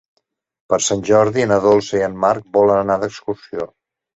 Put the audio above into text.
Per Sant Jordi na Dolça i en Marc volen anar d'excursió.